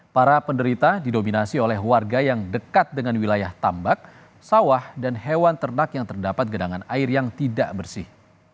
para penderita didominasi oleh warga yang dekat dengan wilayah tambak sawah dan hewan ternak yang terdapat gedangan air yang tidak bersih